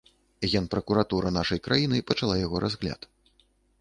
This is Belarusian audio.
Генпракуратура нашай краіны пачала яго разгляд.